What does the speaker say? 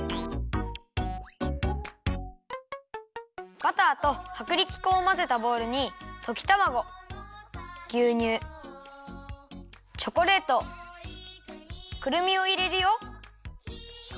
バターとはくりき粉をまぜたボウルにときたまごぎゅうにゅうチョコレートくるみをいれるよ。